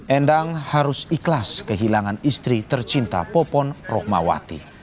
endang harus ikhlas kehilangan istri tercinta popon rohmawati